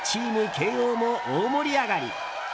慶應も大盛り上がり。